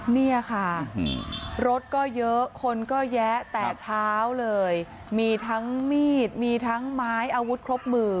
เนี่ยค่ะรถก็เยอะคนก็แยะแต่เช้าเลยมีทั้งมีดมีทั้งไม้อาวุธครบมือ